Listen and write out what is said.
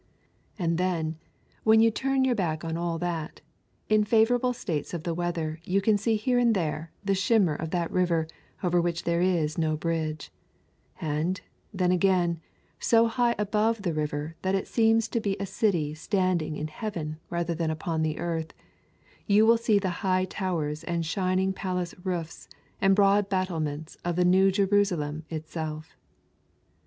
And then, when you turn your back on all that, in favourable states of the weather you can see here and there the shimmer of that river over which there is no bridge; and, then again, so high above the river that it seems to be a city standing in heaven rather than upon the earth, you will see the high towers and shining palace roofs and broad battlements of the New Jerusalem itself.